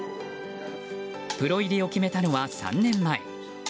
プロ入りを決めたのは３年前。